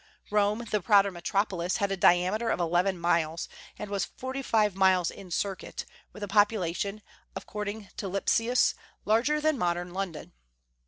Rome, the proud metropolis, had a diameter of eleven miles, and was forty five miles in circuit, with a population, according to Lipsius, larger than modern London.